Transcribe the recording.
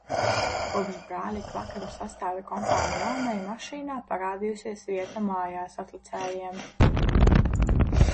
Kopš brāļi ik vakaru sastāda kompāniju omei, mašīnā parādījusies vieta mājāsatlicējiem.